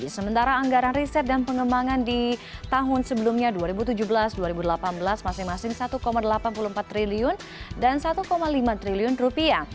sementara anggaran riset dan pengembangan di tahun sebelumnya dua ribu tujuh belas dua ribu delapan belas masing masing satu delapan puluh empat triliun dan satu lima triliun rupiah